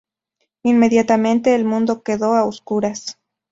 Inmediatamente el mundo quedó a oscuras.